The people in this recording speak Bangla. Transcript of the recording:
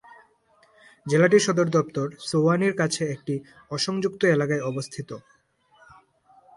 জেলাটির সদর দপ্তর সুওয়ানির কাছে একটি অ-সংযুক্ত এলাকায় অবস্থিত।